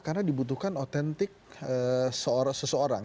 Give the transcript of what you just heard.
karena dibutuhkan otentik seseorang